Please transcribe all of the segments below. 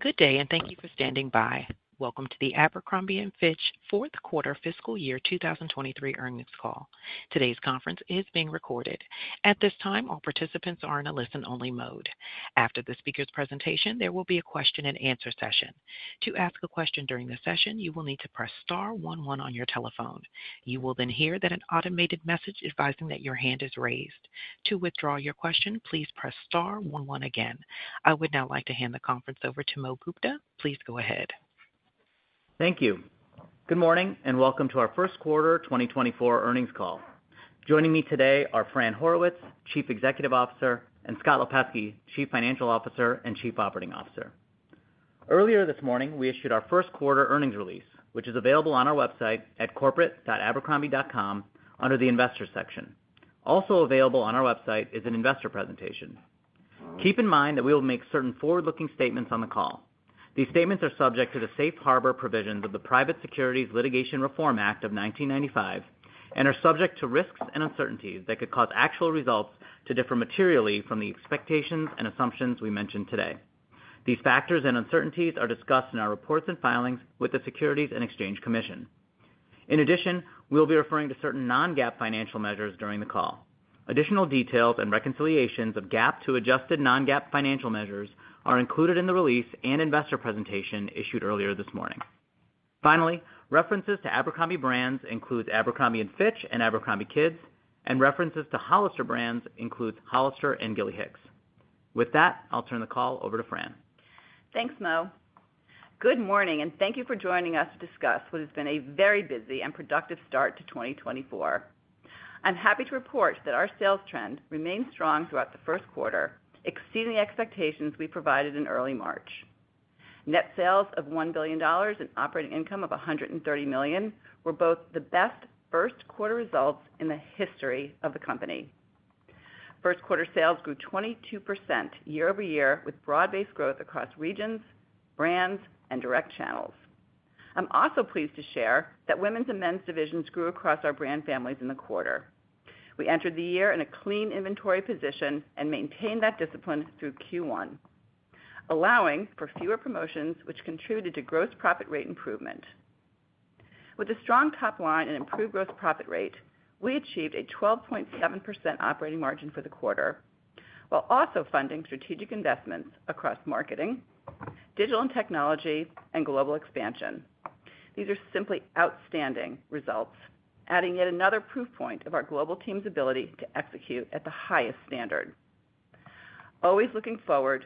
Good day, and thank you for standing by. Welcome to the Abercrombie & Fitch Fourth Quarter Fiscal Year 2023 Earnings Call. Today's conference is being recorded. At this time, all participants are in a listen-only mode. After the speaker's presentation, there will be a question-and-answer session. To ask a question during the session, you will need to press star one one on your telephone. You will then hear that an automated message advising that your hand is raised. To withdraw your question, please press star one one again. I would now like to hand the conference over to Mo Gupta. Please go ahead. Thank you. Good morning, and welcome to our first quarter 2024 earnings call. Joining me today are Fran Horowitz, Chief Executive Officer, and Scott Lipesky, Chief Financial Officer and Chief Operating Officer. Earlier this morning, we issued our first quarter earnings release, which is available on our website at corporate.abercrombie.com under the investor section. Also available on our website is an investor presentation. Keep in mind that we will make certain forward-looking statements on the call. These statements are subject to the safe harbor provisions of the Private Securities Litigation Reform Act of 1995 and are subject to risks and uncertainties that could cause actual results to differ materially from the expectations and assumptions we mention today. These factors and uncertainties are discussed in our reports and filings with the Securities and Exchange Commission. In addition, we'll be referring to certain non-GAAP financial measures during the call. Additional details and reconciliations of GAAP to adjusted non-GAAP financial measures are included in the release and investor presentation issued earlier this morning. Finally, references to Abercrombie Brands include Abercrombie & Fitch and Abercrombie Kids, and references to Hollister Brands include Hollister and Gilly Hicks. With that, I'll turn the call over to Fran. Thanks, Mo. Good morning, and thank you for joining us to discuss what has been a very busy and productive start to 2024. I'm happy to report that our sales trend remained strong throughout the first quarter, exceeding the expectations we provided in early March. Net sales of $1 billion and operating income of $130 million were both the best first quarter results in the history of the company. First quarter sales grew 22% year-over-year, with broad-based growth across regions, brands, and direct channels. I'm also pleased to share that women's and men's divisions grew across our brand families in the quarter. We entered the year in a clean inventory position and maintained that discipline through Q1, allowing for fewer promotions, which contributed to gross profit rate improvement. With a strong top line and improved gross profit rate, we achieved a 12.7% operating margin for the quarter, while also funding strategic investments across marketing, digital and technology, and global expansion. These are simply outstanding results, adding yet another proof point of our global team's ability to execute at the highest standard. Always looking forward,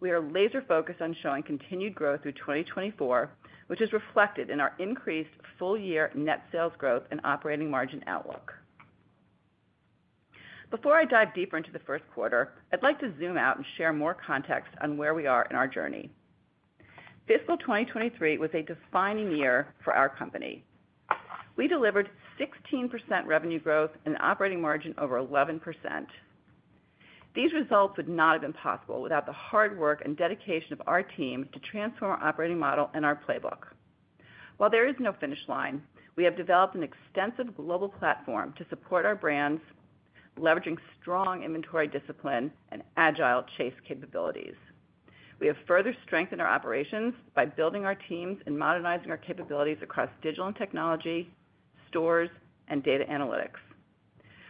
we are laser-focused on showing continued growth through 2024, which is reflected in our increased full-year net sales growth and operating margin outlook. Before I dive deeper into the first quarter, I'd like to zoom out and share more context on where we are in our journey. Fiscal 2023 was a defining year for our company. We delivered 16% revenue growth and operating margin over 11%. These results would not have been possible without the hard work and dedication of our team to transform our operating model and our playbook. While there is no finish line, we have developed an extensive global platform to support our brands, leveraging strong inventory discipline and agile chase capabilities. We have further strengthened our operations by building our teams and modernizing our capabilities across digital and technology, stores, and data analytics.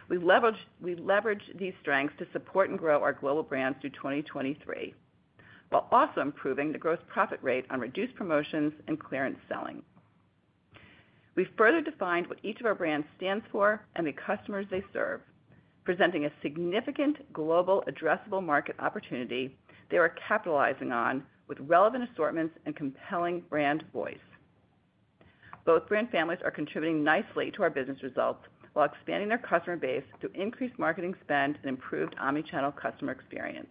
We leveraged these strengths to support and grow our global brands through 2023, while also improving the gross profit rate on reduced promotions and clearance selling. We've further defined what each of our brands stands for and the customers they serve, presenting a significant global addressable market opportunity they are capitalizing on with relevant assortments and compelling brand voice. Both brand families are contributing nicely to our business results while expanding their customer base through increased marketing spend and improved omni-channel customer experience.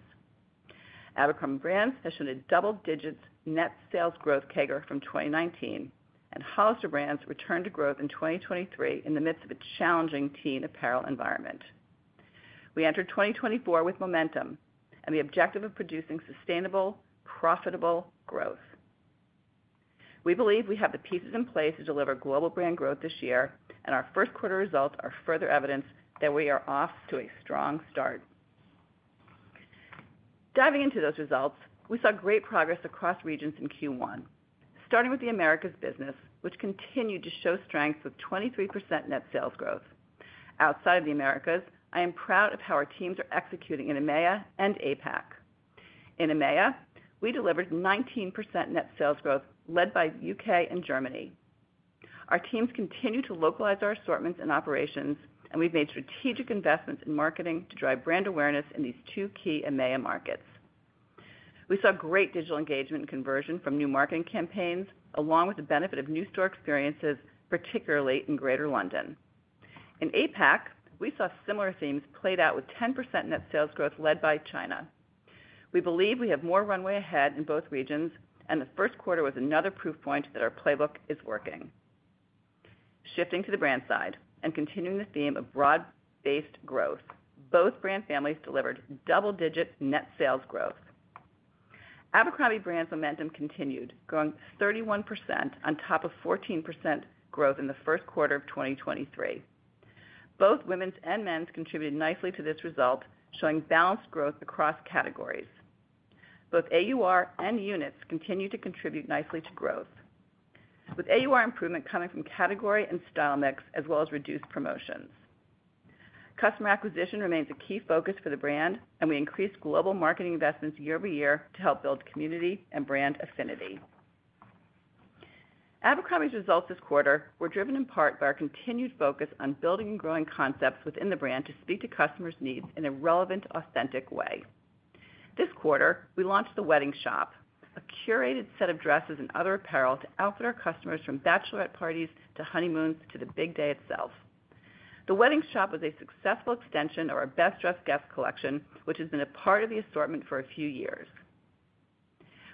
Abercrombie Brands has shown a double-digit net sales growth CAGR from 2019, and Hollister Brands returned to growth in 2023 in the midst of a challenging teen apparel environment. We entered 2024 with momentum and the objective of producing sustainable, profitable growth. We believe we have the pieces in place to deliver global brand growth this year, and our first quarter results are further evidence that we are off to a strong start. Diving into those results, we saw great progress across regions in Q1, starting with the Americas business, which continued to show strength with 23% net sales growth. Outside of the Americas, I am proud of how our teams are executing in EMEA and APAC. In EMEA, we delivered 19% net sales growth led by UK and Germany. Our teams continue to localize our assortments and operations, and we've made strategic investments in marketing to drive brand awareness in these two key EMEA markets. We saw great digital engagement and conversion from new marketing campaigns, along with the benefit of new store experiences, particularly in Greater London. In APAC, we saw similar themes played out with 10% net sales growth led by China. We believe we have more runway ahead in both regions, and the first quarter was another proof point that our playbook is working. Shifting to the brand side and continuing the theme of broad-based growth, both brand families delivered double-digit net sales growth. Abercrombie Brands' momentum continued, growing 31% on top of 14% growth in the first quarter of 2023.... Both women's and men's contributed nicely to this result, showing balanced growth across categories. Both AUR and units continue to contribute nicely to growth, with AUR improvement coming from category and style mix, as well as reduced promotions. Customer acquisition remains a key focus for the brand, and we increased global marketing investments year-over-year to help build community and brand affinity. Abercrombie's results this quarter were driven in part by our continued focus on building and growing concepts within the brand to speak to customers' needs in a relevant, authentic way. This quarter, we launched the Wedding Shop, a curated set of dresses and other apparel to outfit our customers from bachelorette parties to honeymoons to the big day itself. The Wedding Shop was a successful extension of our Best Dressed Guest collection, which has been a part of the assortment for a few years.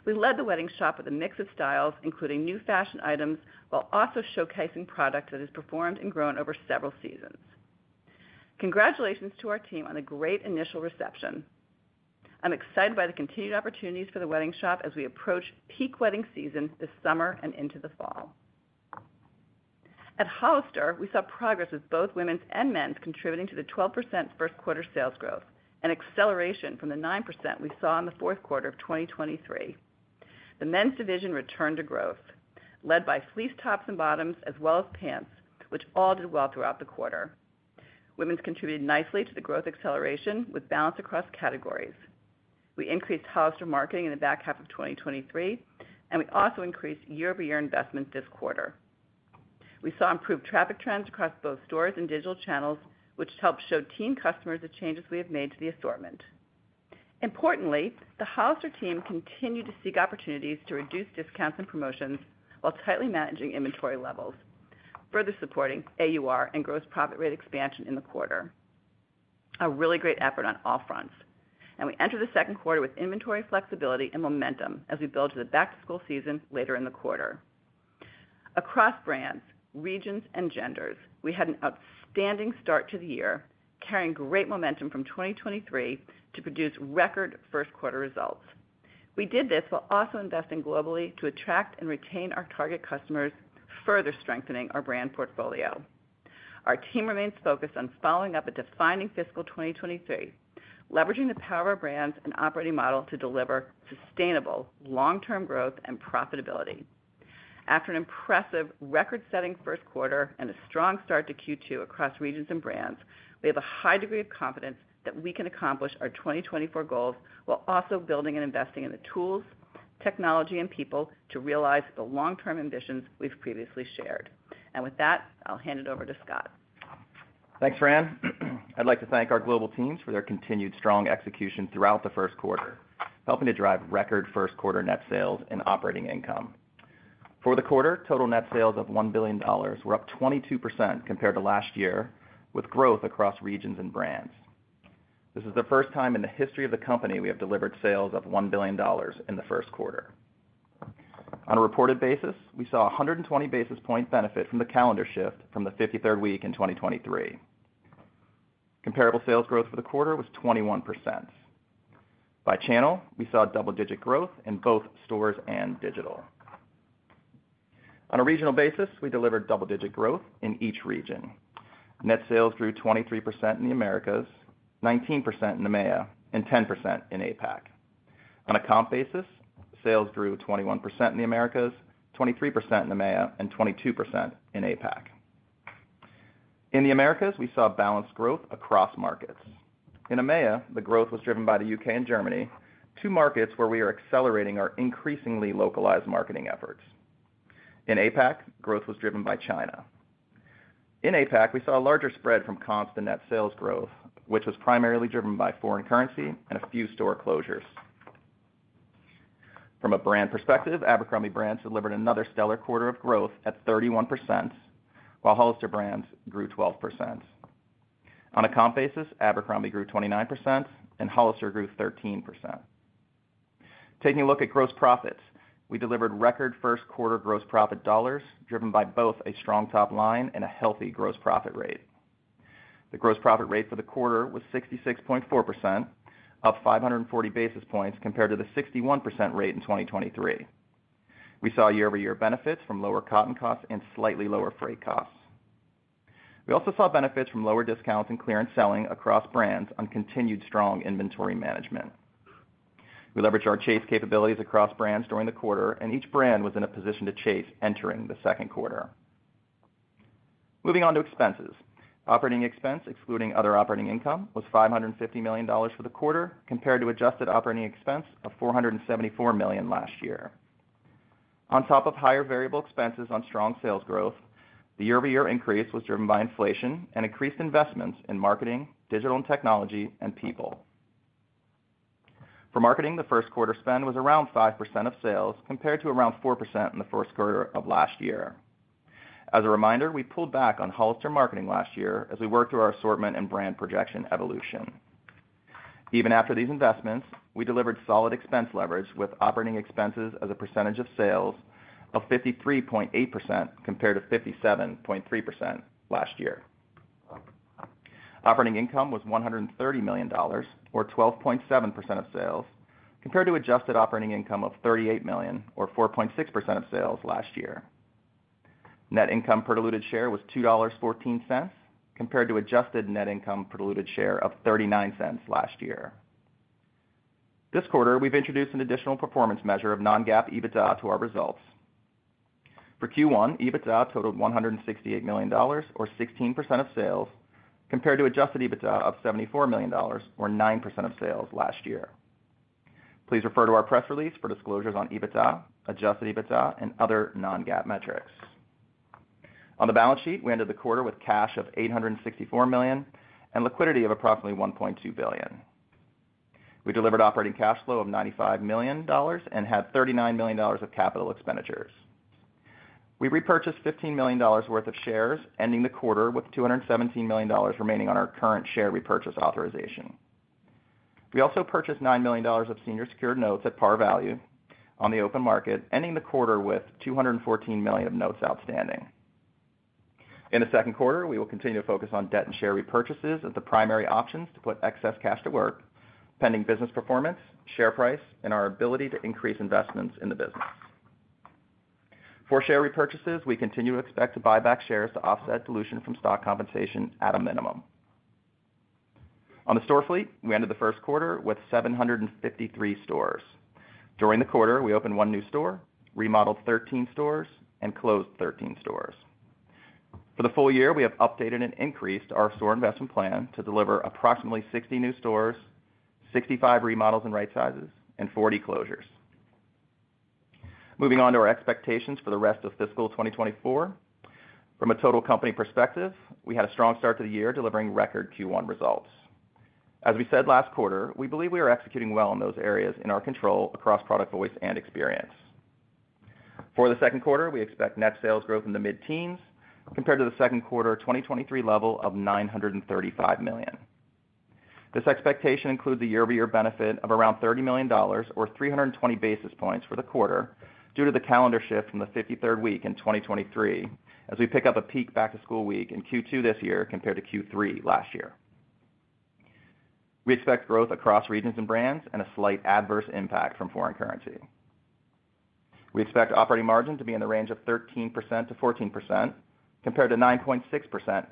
We led The Wedding Shop with a mix of styles, including new fashion items, while also showcasing product that has performed and grown over several seasons. Congratulations to our team on the great initial reception. I'm excited by the continued opportunities for The Wedding Shop as we approach peak wedding season this summer and into the fall. At Hollister, we saw progress with both women's and men's contributing to the 12% first quarter sales growth, an acceleration from the 9% we saw in the fourth quarter of 2023. The men's division returned to growth, led by fleece tops and bottoms, as well as pants, which all did well throughout the quarter. Women's contributed nicely to the growth acceleration with balance across categories. We increased Hollister marketing in the back half of 2023, and we also increased year-over-year investment this quarter. We saw improved traffic trends across both stores and digital channels, which helped show teen customers the changes we have made to the assortment. Importantly, the Hollister team continued to seek opportunities to reduce discounts and promotions while tightly managing inventory levels, further supporting AUR and gross profit rate expansion in the quarter. A really great effort on all fronts, and we enter the second quarter with inventory flexibility and momentum as we build to the back-to-school season later in the quarter. Across brands, regions, and genders, we had an outstanding start to the year, carrying great momentum from 2023 to produce record first quarter results. We did this while also investing globally to attract and retain our target customers, further strengthening our brand portfolio. Our team remains focused on following up a defining fiscal 2023, leveraging the power of brands and operating model to deliver sustainable long-term growth and profitability. After an impressive record-setting first quarter and a strong start to Q2 across regions and brands, we have a high degree of confidence that we can accomplish our 2024 goals while also building and investing in the tools, technology, and people to realize the long-term ambitions we've previously shared. With that, I'll hand it over to Scott. Thanks, Fran. I'd like to thank our global teams for their continued strong execution throughout the first quarter, helping to drive record first quarter net sales and operating income. For the quarter, total net sales of $1 billion were up 22% compared to last year, with growth across regions and brands. This is the first time in the history of the company we have delivered sales of $1 billion in the first quarter. On a reported basis, we saw a 120 basis point benefit from the calendar shift from the 53rd week in 2023. Comparable sales growth for the quarter was 21%. By channel, we saw double-digit growth in both stores and digital. On a regional basis, we delivered double-digit growth in each region. Net sales grew 23% in the Americas, 19% in EMEA, and 10% in APAC. On a comp basis, sales grew 21% in the Americas, 23% in EMEA, and 22% in APAC. In the Americas, we saw balanced growth across markets. In EMEA, the growth was driven by the UK and Germany, two markets where we are accelerating our increasingly localized marketing efforts. In APAC, growth was driven by China. In APAC, we saw a larger spread from comp to net sales growth, which was primarily driven by foreign currency and a few store closures. From a brand perspective, Abercrombie Brands delivered another stellar quarter of growth at 31%, while Hollister Brands grew 12%. On a comp basis, Abercrombie grew 29% and Hollister grew 13%. Taking a look at gross profits, we delivered record first quarter gross profit dollars, driven by both a strong top line and a healthy gross profit rate. The gross profit rate for the quarter was 66.4%, up 540 basis points compared to the 61% rate in 2023. We saw year-over-year benefits from lower cotton costs and slightly lower freight costs. We also saw benefits from lower discounts and clearance selling across brands on continued strong inventory management. We leveraged our chase capabilities across brands during the quarter, and each brand was in a position to chase entering the second quarter. Moving on to expenses. Operating expense, excluding other operating income, was $550 million for the quarter, compared to adjusted operating expense of $474 million last year. On top of higher variable expenses on strong sales growth, the year-over-year increase was driven by inflation and increased investments in marketing, digital and technology, and people. For marketing, the first quarter spend was around 5% of sales, compared to around 4% in the first quarter of last year. As a reminder, we pulled back on Hollister marketing last year as we worked through our assortment and brand projection evolution. Even after these investments, we delivered solid expense leverage with operating expenses as a percentage of sales of 53.8%, compared to 57.3% last year. Operating income was $130 million, or 12.7% of sales, compared to adjusted operating income of $38 million, or 4.6% of sales last year. Net income per diluted share was $2.14, compared to adjusted net income per diluted share of $0.39 last year. This quarter, we've introduced an additional performance measure of non-GAAP EBITDA to our results. For Q1, EBITDA totaled $168 million, or 16% of sales, compared to Adjusted EBITDA of $74 million, or 9% of sales last year. Please refer to our press release for disclosures on EBITDA, Adjusted EBITDA and other non-GAAP metrics. On the balance sheet, we ended the quarter with cash of $864 million and liquidity of approximately $1.2 billion. We delivered operating cash flow of $95 million and had $39 million of capital expenditures. We repurchased $15 million worth of shares, ending the quarter with $217 million remaining on our current share repurchase authorization. We also purchased $9 million of senior secured notes at par value on the open market, ending the quarter with $214 million of notes outstanding. In the second quarter, we will continue to focus on debt and share repurchases as the primary options to put excess cash to work, pending business performance, share price, and our ability to increase investments in the business. For share repurchases, we continue to expect to buy back shares to offset dilution from stock compensation at a minimum. On the store fleet, we ended the first quarter with 753 stores. During the quarter, we opened 1 new store, remodeled 13 stores, and closed 13 stores. For the full year, we have updated and increased our store investment plan to deliver approximately 60 new stores, 65 remodels and right-sizes, and 40 closures. Moving on to our expectations for the rest of fiscal 2024. From a total company perspective, we had a strong start to the year, delivering record Q1 results. As we said last quarter, we believe we are executing well in those areas in our control across product voice and experience. For the second quarter, we expect net sales growth in the mid-teens, compared to the second quarter 2023 level of $935 million. This expectation includes the year-over-year benefit of around $30 million or 320 basis points for the quarter, due to the calendar shift from the 53rd week in 2023, as we pick up a peak back-to-school week in Q2 this year compared to Q3 last year. We expect growth across regions and brands and a slight adverse impact from foreign currency. We expect operating margin to be in the range of 13%-14%, compared to 9.6%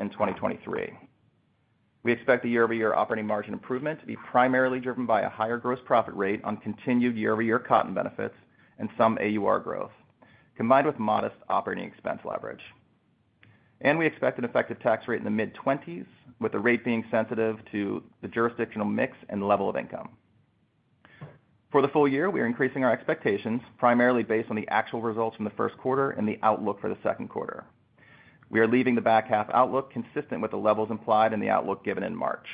in 2023. We expect the year-over-year operating margin improvement to be primarily driven by a higher gross profit rate on continued year-over-year cotton benefits and some AUR growth, combined with modest operating expense leverage. We expect an effective tax rate in the mid-20s%, with the rate being sensitive to the jurisdictional mix and level of income. For the full year, we are increasing our expectations, primarily based on the actual results from the first quarter and the outlook for the second quarter. We are leaving the back half outlook consistent with the levels implied in the outlook given in March.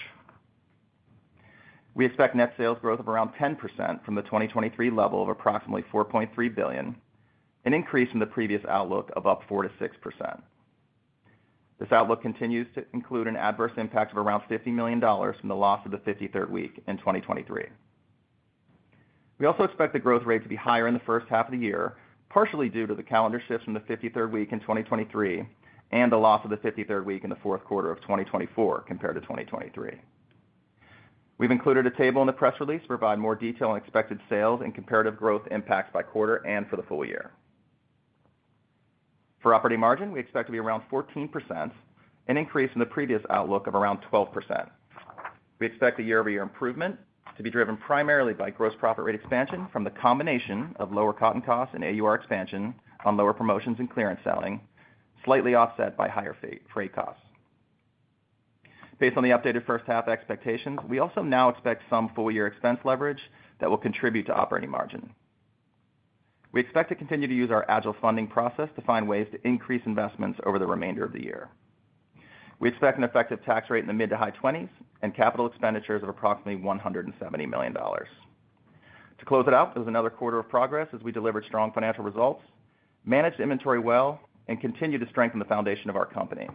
We expect net sales growth of around 10% from the 2023 level of approximately $4.3 billion, an increase from the previous outlook of up 4%-6%. This outlook continues to include an adverse impact of around $50 million from the loss of the 53rd week in 2023. We also expect the growth rate to be higher in the first half of the year, partially due to the calendar shift from the 53rd week in 2023 and the loss of the 53rd week in the fourth quarter of 2024, compared to 2023. We've included a table in the press release to provide more detail on expected sales and comparative growth impacts by quarter and for the full year. For operating margin, we expect to be around 14%, an increase from the previous outlook of around 12%. We expect the year-over-year improvement to be driven primarily by gross profit rate expansion from the combination of lower cotton costs and AUR expansion on lower promotions and clearance selling, slightly offset by higher freight costs. Based on the updated first half expectations, we also now expect some full-year expense leverage that will contribute to operating margin. We expect to continue to use our agile funding process to find ways to increase investments over the remainder of the year. We expect an effective tax rate in the mid- to high 20s% and capital expenditures of approximately $170 million. To close it out, it was another quarter of progress as we delivered strong financial results, managed inventory well, and continued to strengthen the foundation of our company.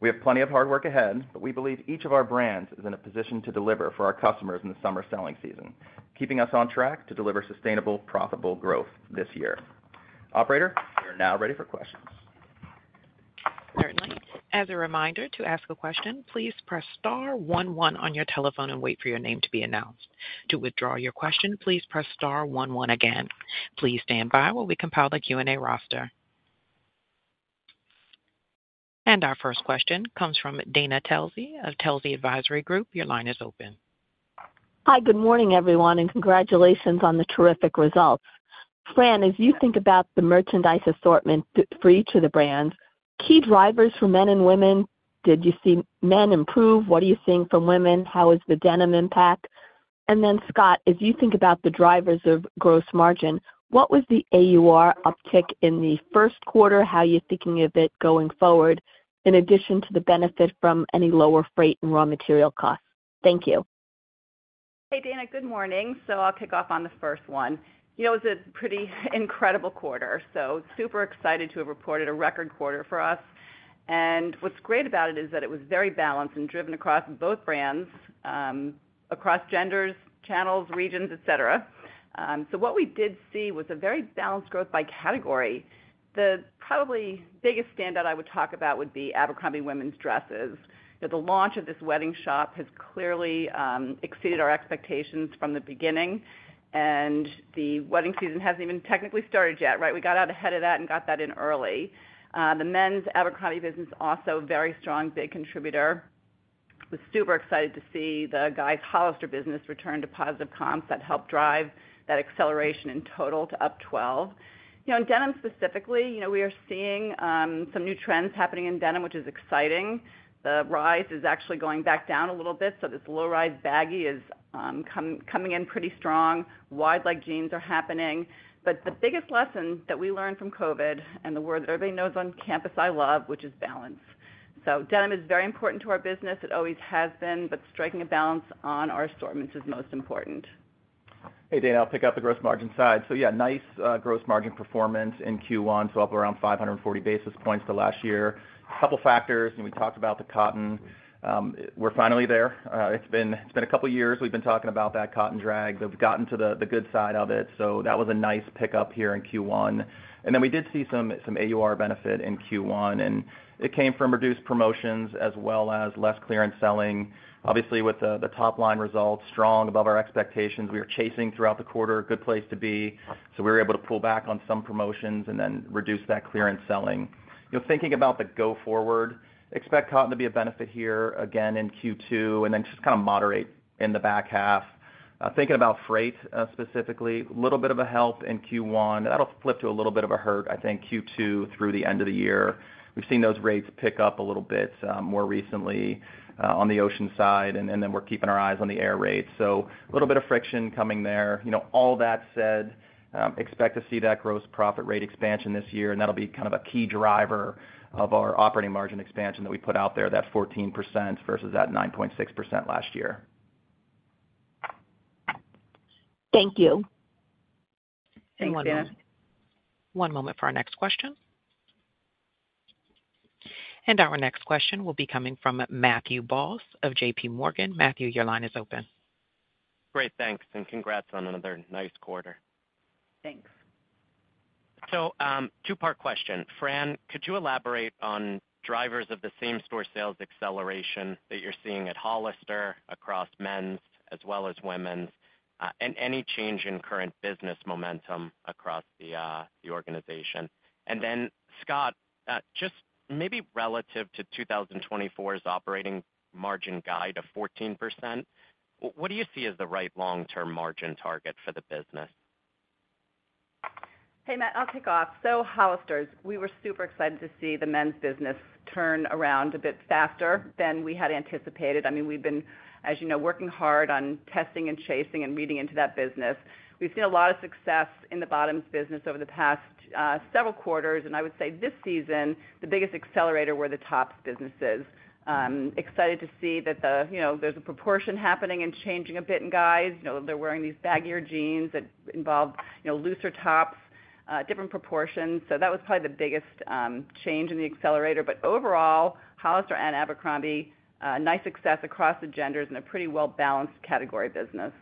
We have plenty of hard work ahead, but we believe each of our brands is in a position to deliver for our customers in the summer selling season, keeping us on track to deliver sustainable, profitable growth this year. Operator, we are now ready for questions. Certainly. As a reminder, to ask a question, please press star one one on your telephone and wait for your name to be announced. To withdraw your question, please press star one one again. Please stand by while we compile the Q&A roster. And our first question comes from Dana Telsey of Telsey Advisory Group. Your line is open. Hi, good morning, everyone, and congratulations on the terrific results. Fran, as you think about the merchandise assortment for each of the brands, key drivers for men and women, did you see men improve? What are you seeing from women? How is the denim impact? And then, Scott, as you think about the drivers of gross margin, what was the AUR uptick in the first quarter? How are you thinking of it going forward, in addition to the benefit from any lower freight and raw material costs? Thank you. Hey, Dana, good morning. So I'll kick off on the first one. You know, it was a pretty incredible quarter, so super excited to have reported a record quarter for us. And what's great about it is that it was very balanced and driven across both brands, across genders, channels, regions, et cetera. ... So what we did see was a very balanced growth by category. The probably biggest standout I would talk about would be Abercrombie women's dresses. The launch of this Wedding Shop has clearly exceeded our expectations from the beginning, and the wedding season hasn't even technically started yet, right? We got out ahead of that and got that in early. The men's Abercrombie business also very strong, big contributor. Was super excited to see the guys' Hollister business return to positive comps that helped drive that acceleration in total to up 12. You know, in denim specifically, you know, we are seeing some new trends happening in denim, which is exciting. The rise is actually going back down a little bit, so this low-rise baggy is coming in pretty strong. Wide-leg jeans are happening. The biggest lesson that we learned from COVID, and the word that everybody knows on campus I love, which is balance. Denim is very important to our business. It always has been, but striking a balance on our assortments is most important. Hey, Dana, I'll pick up the gross margin side. So yeah, nice gross margin performance in Q1, so up around 540 basis points to last year. A couple factors, and we talked about the cotton. We're finally there. It's been, it's been a couple of years we've been talking about that cotton drag, but we've gotten to the, the good side of it. So that was a nice pickup here in Q1. And then we did see some, some AUR benefit in Q1, and it came from reduced promotions as well as less clearance selling. Obviously, with the, the top line results strong above our expectations, we were chasing throughout the quarter, good place to be. So we were able to pull back on some promotions and then reduce that clearance selling. You know, thinking about the go forward, expect cotton to be a benefit here again in Q2, and then just kind of moderate in the back half. Thinking about freight, specifically, a little bit of a help in Q1, that'll flip to a little bit of a hurt, I think, Q2 through the end of the year. We've seen those rates pick up a little bit, more recently, on the ocean side, and then we're keeping our eyes on the air rates. So a little bit of friction coming there. You know, all that said, expect to see that gross profit rate expansion this year, and that'll be kind of a key driver of our operating margin expansion that we put out there, that 14% versus that 9.6% last year. Thank you. Thanks, Dana. One moment. One moment for our next question. Our next question will be coming from Matthew Boss of JPMorgan. Matthew, your line is open. Great, thanks, and congrats on another nice quarter. Thanks. Two-part question. Fran, could you elaborate on drivers of the same-store sales acceleration that you're seeing at Hollister across men's as well as women's, and any change in current business momentum across the organization? And then, Scott, just maybe relative to 2024's operating margin guide of 14%, what do you see as the right long-term margin target for the business? Hey, Matt, I'll kick off. So Hollister's, we were super excited to see the men's business turn around a bit faster than we had anticipated. I mean, we've been, as you know, working hard on testing and chasing and reading into that business. We've seen a lot of success in the bottoms business over the past several quarters, and I would say this season, the biggest accelerator were the tops businesses. Excited to see that the, you know, there's a proportion happening and changing a bit in guys. You know, they're wearing these baggier jeans that involve, you know, looser tops, different proportions. So that was probably the biggest change in the accelerator. But overall, Hollister and Abercrombie, nice success across the genders and a pretty well-balanced category business.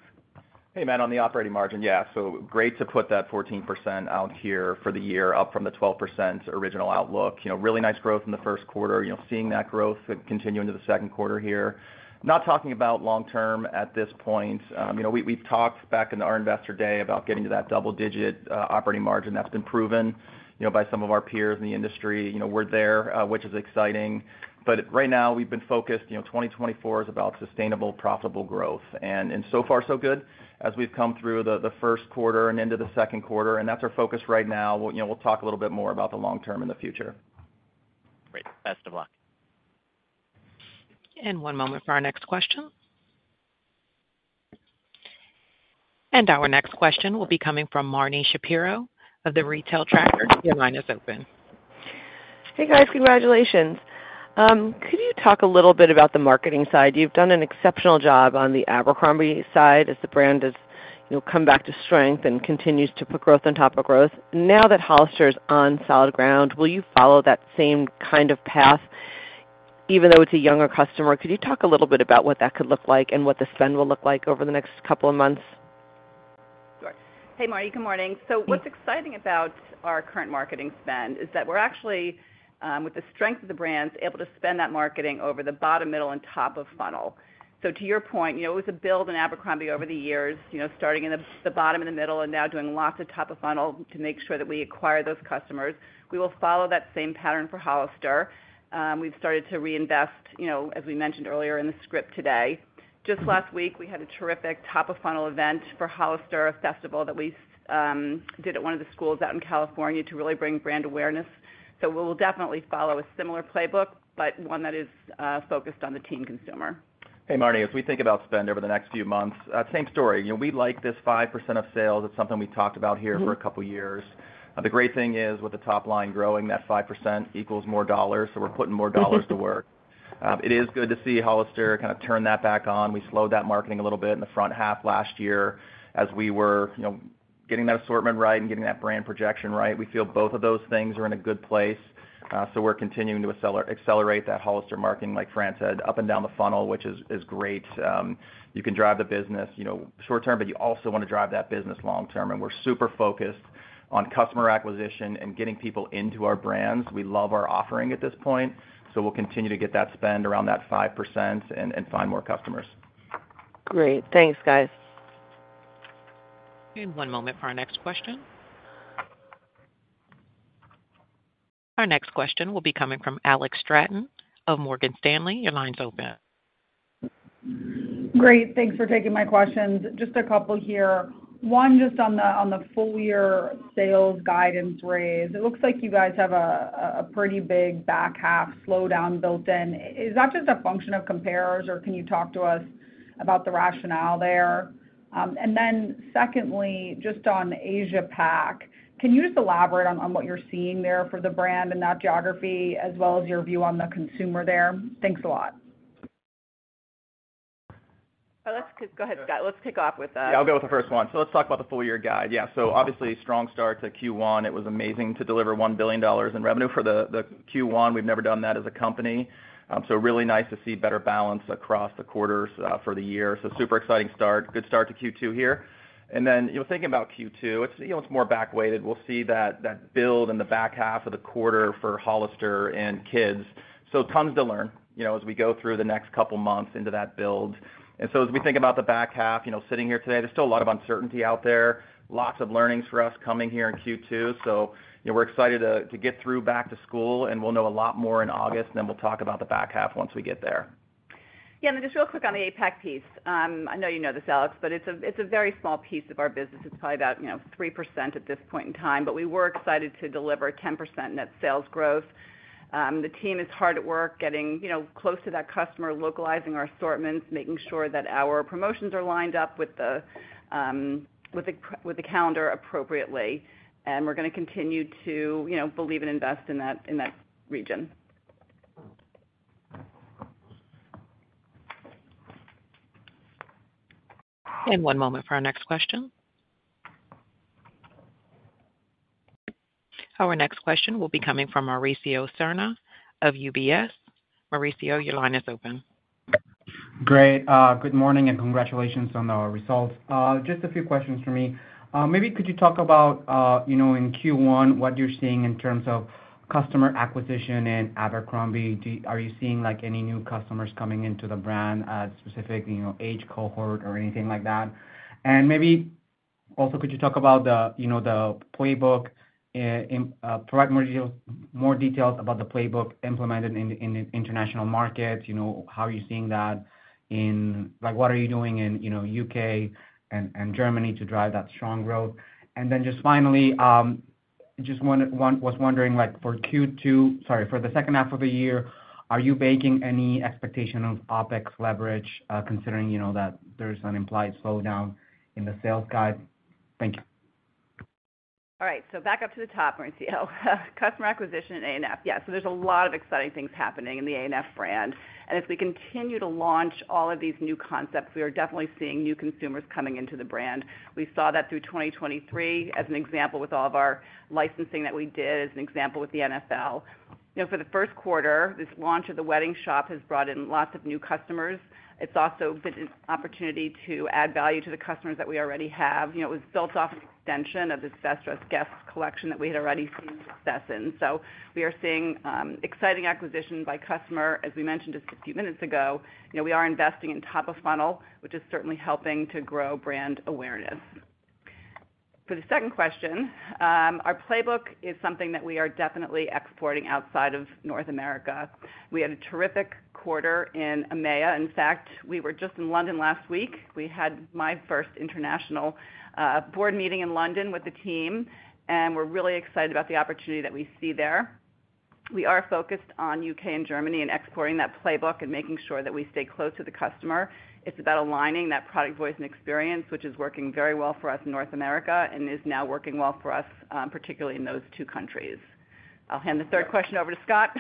Hey, Matt, on the operating margin, yeah, so great to put that 14% out here for the year, up from the 12% original outlook. You know, really nice growth in the first quarter, you know, seeing that growth continue into the second quarter here. Not talking about long term at this point. You know, we, we've talked back in our Investor Day about getting to that double-digit operating margin that's been proven, you know, by some of our peers in the industry. You know, we're there, which is exciting. But right now, we've been focused, you know, 2024 is about sustainable, profitable growth. And so far, so good as we've come through the first quarter and into the second quarter, and that's our focus right now. We'll, you know, we'll talk a little bit more about the long term in the future. Great. Best of luck. One moment for our next question. Our next question will be coming from Marni Shapiro of The Retail Tracker. Your line is open. Hey, guys, congratulations. Could you talk a little bit about the marketing side? You've done an exceptional job on the Abercrombie side as the brand has, you know, come back to strength and continues to put growth on top of growth. Now that Hollister is on solid ground, will you follow that same kind of path, even though it's a younger customer? Could you talk a little bit about what that could look like and what the spend will look like over the next couple of months? Sure. Hey, Marni, good morning. So what's exciting about our current marketing spend is that we're actually with the strength of the brands, able to spend that marketing over the bottom, middle, and top of funnel. So to your point, you know, it was a build in Abercrombie over the years, you know, starting in the bottom and the middle, and now doing lots of top of funnel to make sure that we acquire those customers. We will follow that same pattern for Hollister. We've started to reinvest, you know, as we mentioned earlier in the script today. Just last week, we had a terrific top-of-funnel event for Hollister, a festival that we did at one of the schools out in California to really bring brand awareness. So we will definitely follow a similar playbook, but one that is focused on the teen consumer. Hey, Marni, as we think about spend over the next few months, same story. You know, we like this 5% of sales. It's something we talked about here for a couple of years. The great thing is, with the top line growing, that 5% equals more dollars, so we're putting more dollars to work. It is good to see Hollister kind of turn that back on. We slowed that marketing a little bit in the front half last year as we were, you know, getting that assortment right and getting that brand projection right. We feel both of those things are in a good place. So we're continuing to accelerate that Hollister marketing, like Fran said, up and down the funnel, which is great. You can drive the business, you know, short term, but you also wanna drive that business long term, and we're super focused on customer acquisition and getting people into our brands. We love our offering at this point, so we'll continue to get that spend around that 5% and find more customers. Great. Thanks, guys. One moment for our next question. Our next question will be coming from Alex Straton of Morgan Stanley. Your line's open. Great, thanks for taking my questions. Just a couple here. One, just on the full year sales guidance raise. It looks like you guys have a pretty big back half slowdown built in. Is that just a function of compares, or can you talk to us about the rationale there? And then secondly, just on Asia Pac, can you just elaborate on what you're seeing there for the brand in that geography, as well as your view on the consumer there? Thanks a lot. Well, let's just... Go ahead, Scott. Let's kick off with that. Yeah, I'll go with the first one. So let's talk about the full year guide. Yeah, so obviously, strong start to Q1. It was amazing to deliver $1 billion in revenue for the Q1. We've never done that as a company. So really nice to see better balance across the quarters for the year. So super exciting start. Good start to Q2 here. And then, you know, thinking about Q2, it's, you know, it's more back weighted. We'll see that build in the back half of the quarter for Hollister and Kids. So tons to learn, you know, as we go through the next couple months into that build. And so as we think about the back half, you know, sitting here today, there's still a lot of uncertainty out there, lots of learnings for us coming here in Q2. So, you know, we're excited to get through back to school, and we'll know a lot more in August, then we'll talk about the back half once we get there. Yeah, and then just real quick on the APAC piece. I know you know this, Alex, but it's a very small piece of our business. It's probably about, you know, 3% at this point in time, but we were excited to deliver 10% net sales growth. The team is hard at work, getting, you know, close to that customer, localizing our assortments, making sure that our promotions are lined up with the calendar appropriately. And we're gonna continue to, you know, believe and invest in that region. One moment for our next question. Our next question will be coming from Mauricio Serna of UBS. Mauricio, your line is open. Great. Good morning, and congratulations on the results. Just a few questions for me. Maybe could you talk about, you know, in Q1, what you're seeing in terms of customer acquisition in Abercrombie? Are you seeing, like, any new customers coming into the brand, a specific, you know, age cohort or anything like that? And maybe also, could you talk about the, you know, the playbook, provide more details, more details about the playbook implemented in the international markets? You know, how are you seeing that in... Like, what are you doing in, you know, UK and Germany to drive that strong growth? Then just finally, was wondering, like, for Q2, sorry, for the second half of the year, are you baking any expectation of OpEx leverage, considering, you know, that there's an implied slowdown in the sales guide? Thank you. All right, so back up to the top, Mauricio. Customer acquisition in ANF. Yeah, so there's a lot of exciting things happening in the ANF brand. And as we continue to launch all of these new concepts, we are definitely seeing new consumers coming into the brand. We saw that through 2023, as an example, with all of our licensing that we did, as an example, with the NFL. You know, for the first quarter, this launch of the Wedding Shop has brought in lots of new customers. It's also been an opportunity to add value to the customers that we already have. You know, it was built off an extension of the Best Dressed Guest collection that we had already seen success in. So we are seeing exciting acquisition by customer. As we mentioned just a few minutes ago, you know, we are investing in top of funnel, which is certainly helping to grow brand awareness. For the second question, our playbook is something that we are definitely exporting outside of North America. We had a terrific quarter in EMEA. In fact, we were just in London last week. We had my first international board meeting in London with the team, and we're really excited about the opportunity that we see there. We are focused on U.K. and Germany and exporting that playbook and making sure that we stay close to the customer. It's about aligning that product voice and experience, which is working very well for us in North America and is now working well for us, particularly in those two countries. I'll hand the third question over to Scott.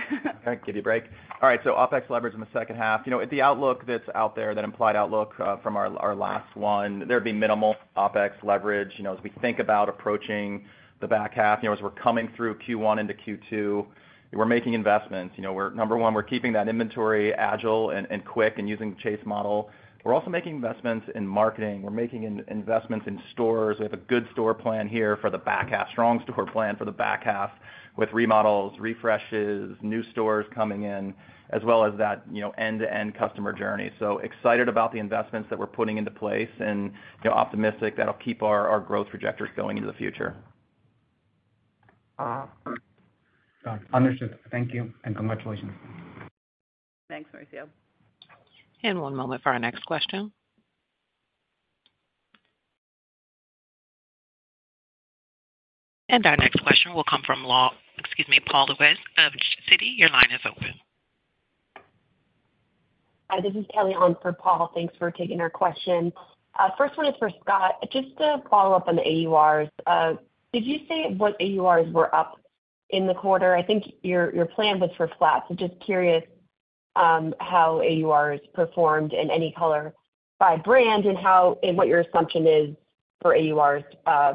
I'll give you a break. All right, so OpEx leverage in the second half. You know, the outlook that's out there, that implied outlook, from our last one, there'd be minimal OpEx leverage. You know, as we think about approaching the back half, you know, as we're coming through Q1 into Q2, we're making investments. You know, number one, we're keeping that inventory agile and quick and using chase model. We're also making investments in marketing. We're making investments in stores. We have a good store plan here for the back half, strong store plan for the back half, with remodels, refreshes, new stores coming in, as well as that, you know, end-to-end customer journey. So excited about the investments that we're putting into place and, you know, optimistic that'll keep our growth trajectories going into the future. Understood. Thank you, and congratulations. Thanks, Mauricio. One moment for our next question. Our next question will come from—excuse me—Paul Lejuez of Citi. Your line is open. This is Kelly on for Paul. Thanks for taking our question. First one is for Scott. Just to follow up on the AURs, did you say what AURs were up in the quarter? I think your plan was for flat, so just curious how AUR has performed in any color by brand, and what your assumption is for AURs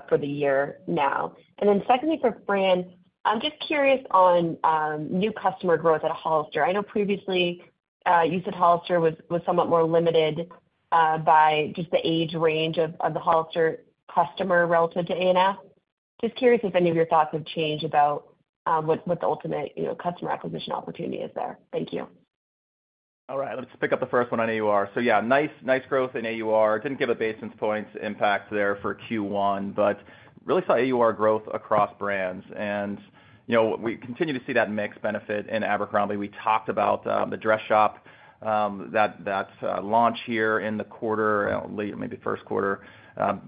for the year now? And then secondly, for brands, I'm just curious on new customer growth at Hollister. I know previously you said Hollister was somewhat more limited by just the age range of the Hollister customer relative to ANF. Just curious if any of your thoughts have changed about what the ultimate, you know, customer acquisition opportunity is there. Thank you. All right, let's pick up the first one on AUR. So yeah, nice, nice growth in AUR. Didn't give a basis points impact there for Q1, but really saw AUR growth across brands. And, you know, we continue to see that mix benefit in Abercrombie. We talked about the dress shop that that's launch here in the quarter, late maybe first quarter.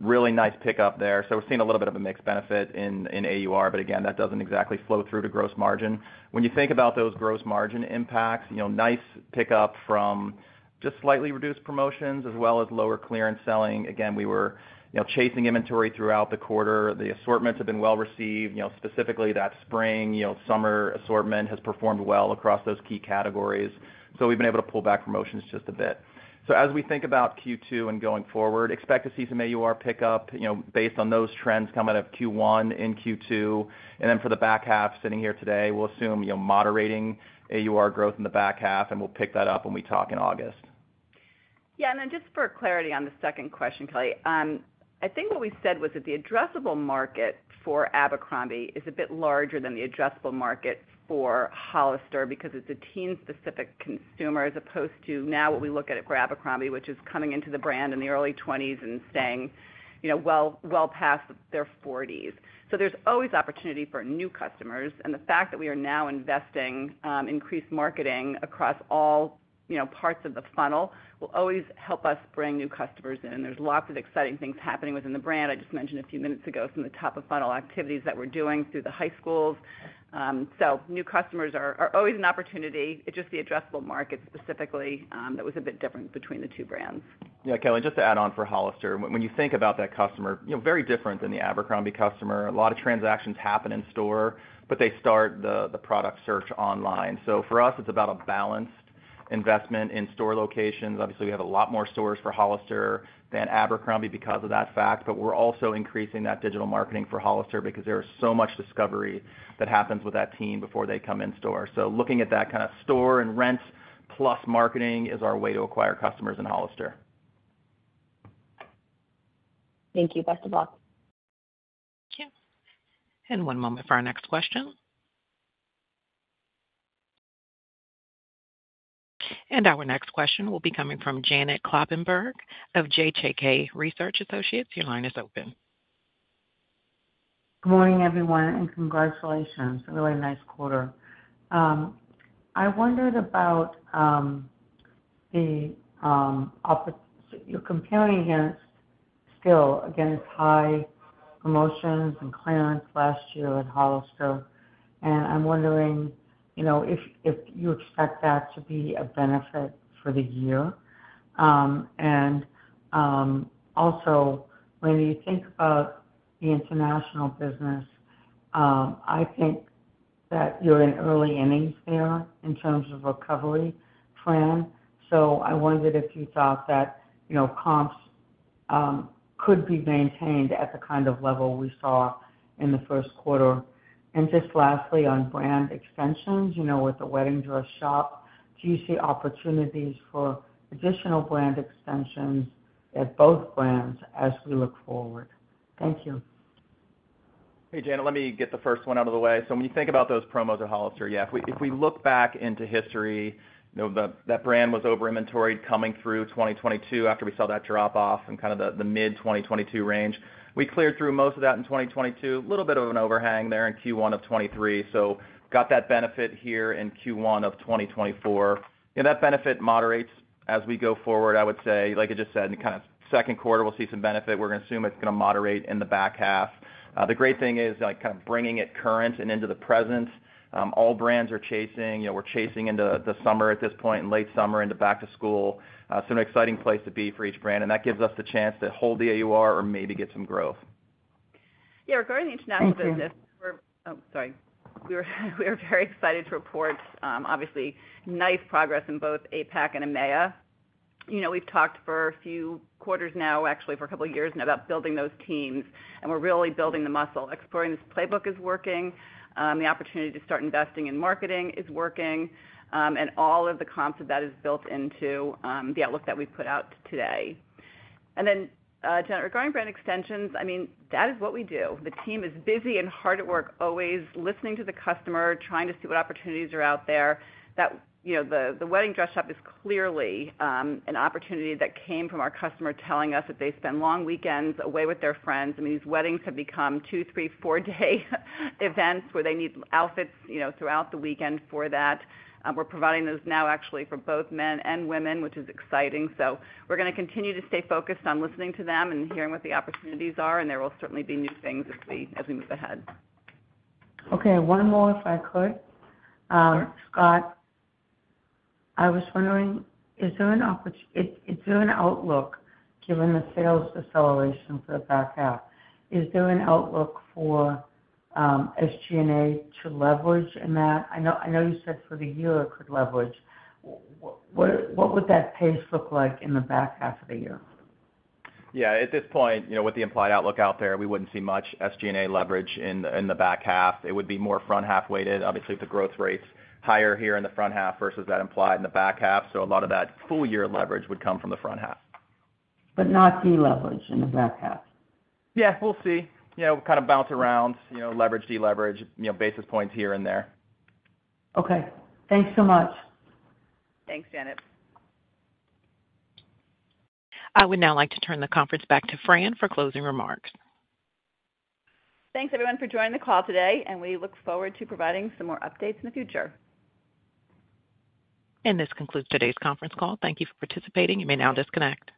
Really nice pickup there. So we're seeing a little bit of a mix benefit in AUR, but again, that doesn't exactly flow through to gross margin. When you think about those gross margin impacts, you know, nice pickup from just slightly reduced promotions as well as lower clearance selling. Again, we were, you know, chasing inventory throughout the quarter. The assortments have been well received, you know, specifically that spring, you know, summer assortment has performed well across those key categories, so we've been able to pull back promotions just a bit. So as we think about Q2 and going forward, expect to see some AUR pickup, you know, based on those trends coming out of Q1 and Q2. And then for the back half, sitting here today, we'll assume, you know, moderating AUR growth in the back half, and we'll pick that up when we talk in August. Yeah, and then just for clarity on the second question, Kelly. I think what we said was that the addressable market for Abercrombie is a bit larger than the addressable market for Hollister because it's a teen-specific consumer, as opposed to now what we look at for Abercrombie, which is coming into the brand in the early twenties and staying, you know, well, well past their forties. So there's always opportunity for new customers, and the fact that we are now investing, increased marketing across all, you know, parts of the funnel, will always help us bring new customers in. There's lots of exciting things happening within the brand. I just mentioned a few minutes ago some of the top-of-funnel activities that we're doing through the high schools. So new customers are always an opportunity. It's just the addressable market specifically, that was a bit different between the two brands. Yeah, Kelly, just to add on for Hollister. When you think about that customer, you know, very different than the Abercrombie customer. A lot of transactions happen in store, but they start the product search online. So for us, it's about a balanced investment in store locations. Obviously, we have a lot more stores for Hollister than Abercrombie because of that fact, but we're also increasing that digital marketing for Hollister because there is so much discovery that happens with that teen before they come in store. So looking at that kind of store and rent plus marketing is our way to acquire customers in Hollister. Thank you. Best of luck. Thank you. One moment for our next question. Our next question will be coming from Janet Kloppenburg of JJK Research Associates. Your line is open. Good morning, everyone, and congratulations. A really nice quarter. I wondered about the you're comparing against... still against high promotions and clearance last year at Hollister, and I'm wondering, you know, if, if you expect that to be a benefit for the year? Also, when you think about the international business, I think that you're in early innings there in terms of recovery plan. So I wondered if you thought that, you know, comps could be maintained at the kind of level we saw in the first quarter. And just lastly, on brand extensions, you know, with the wedding dress shop, do you see opportunities for additional brand extensions at both brands as we look forward? Thank you. Hey, Janet, let me get the first one out of the way. So when you think about those promos at Hollister, yeah, if we, if we look back into history, you know, that, that brand was over inventoried coming through 2022 after we saw that drop off in kind of the, the mid-2022 range. We cleared through most of that in 2022. Little bit of an overhang there in Q1 of 2023, so got that benefit here in Q1 of 2024. Yeah, that benefit moderates as we go forward. I would say, like I just said, in kind of second quarter, we'll see some benefit. We're gonna assume it's gonna moderate in the back half. The great thing is, like, kind of bringing it current and into the present, all brands are chasing, you know, we're chasing into the summer at this point, in late summer, into back to school. An exciting place to be for each brand, and that gives us the chance to hold the AUR or maybe get some growth. Yeah, regarding the international business- Thank you. We are very excited to report, obviously nice progress in both APAC and EMEA. You know, we've talked for a few quarters now, actually for a couple of years now, about building those teams, and we're really building the muscle. Exploring this playbook is working, the opportunity to start investing in marketing is working, and all of the comps of that is built into the outlook that we put out today. And then, Janet, regarding brand extensions, I mean, that is what we do. The team is busy and hard at work, always listening to the customer, trying to see what opportunities are out there. That, you know, the wedding dress shop is clearly an opportunity that came from our customer telling us that they spend long weekends away with their friends, and these weddings have become two, three, four-day events where they need outfits, you know, throughout the weekend for that. We're providing those now actually for both men and women, which is exciting. So we're gonna continue to stay focused on listening to them and hearing what the opportunities are, and there will certainly be new things as we move ahead. Okay, one more, if I could. Sure. Scott, I was wondering, is there an outlook, given the sales deceleration for the back half, is there an outlook for SG&A to leverage in that? I know you said for the year it could leverage. What would that pace look like in the back half of the year? Yeah, at this point, you know, with the implied outlook out there, we wouldn't see much SG&A leverage in the back half. It would be more front half weighted. Obviously, the growth rate's higher here in the front half versus that implied in the back half, so a lot of that full year leverage would come from the front half. But not deleverage in the back half? Yeah, we'll see. You know, we'll kind of bounce around, you know, leverage, deleverage, you know, basis points here and there. Okay. Thanks so much. Thanks, Janet. I would now like to turn the conference back to Fran for closing remarks. Thanks, everyone, for joining the call today, and we look forward to providing some more updates in the future. This concludes today's conference call. Thank you for participating. You may now disconnect.